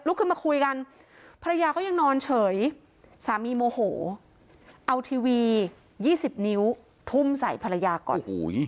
ขึ้นมาคุยกันภรรยาก็ยังนอนเฉยสามีโมโหเอาทีวี๒๐นิ้วทุ่มใส่ภรรยาก่อน